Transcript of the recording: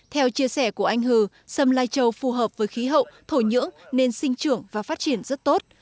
theo chia sẻ của anh hư sâm lai châu phù hợp với khí hậu thổ nhưỡng nên sinh trưởng và phát triển rất tốt